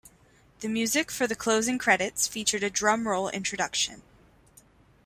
The music for the closing credits featured a drum roll introduction.